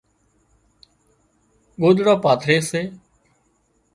ڳوۮڙان پاٿري سي